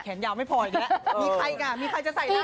แขนยาวไม่พออีกแล้วมีใครก่อนมีใครจะใส่หน้าอีก